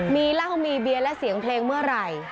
มีเหล้ามีเบียร์และเสียงเพลงเมื่อไหร่